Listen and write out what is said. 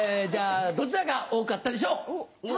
じゃあどちらが多かったでしょう？